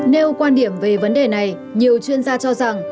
nêu quan điểm về vấn đề này nhiều chuyên gia cho rằng